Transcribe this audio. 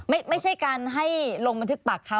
ไม่ใช่การให้ลงบันทึกปากเขา